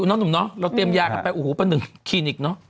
อุ๋นอุ๋นอุ๋นเนอะเราเตรียมยากันไปโอ้โหปะหนึ่งคลีนิกเนอะ